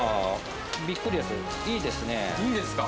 ・いいですか？